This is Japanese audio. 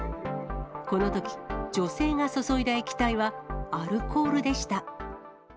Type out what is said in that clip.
このとき、女性が注いだ液体は、アルコールでした。